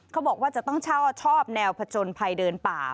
เขาบอกว่าจะต้องชอบชอบแนวพัจจนไผ่เดินป่า